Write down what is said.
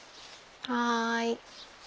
はい。